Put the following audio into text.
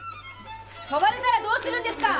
飛ばれたらどうするんですか！？